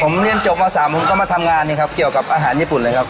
ผมเรียนจบม๓ผมก็มาทำงานนี่ครับเกี่ยวกับอาหารญี่ปุ่นเลยครับ